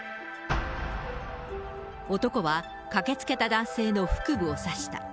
男は駆けつけた男性の腹部を刺した。